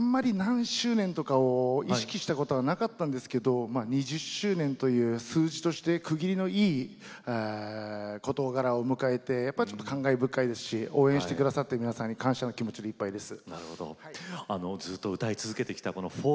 あんまり何周年とかを意識したことなかったんですが２０周年という数字として区切りのいい事柄を迎えてやっぱり感慨深いですし応援してくださった皆さんに感謝の気持ちでいっぱいです。